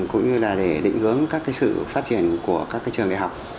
cũng như là để định hướng các cái sự phát triển của các cái trường đại học